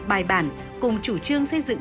bài bản cùng chủ trương xây dựng